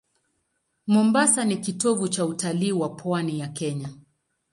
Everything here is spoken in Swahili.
Mombasa ni kitovu cha utalii wa pwani ya Kenya.